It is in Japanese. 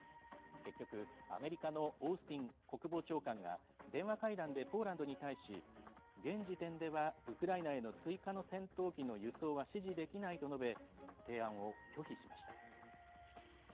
結局、アメリカのオースティン国防長官が電話会談でポーランドに対し現時点では、ウクライナへの追加の戦闘機の輸送は支持できないと述べ提案を拒否しました。